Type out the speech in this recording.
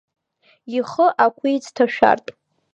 Ихы акәиц ҭашәартә!